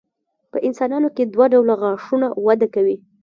په انسانانو کې دوه ډوله غاښونه وده کوي.